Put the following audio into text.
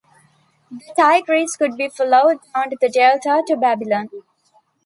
The Tigris could be followed down to the delta to Babylon.